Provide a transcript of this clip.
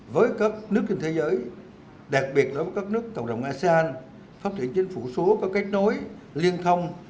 với các nước trên thế giới đặc biệt là với các nước cộng đồng asean phát triển chính phủ số có kết nối liên thông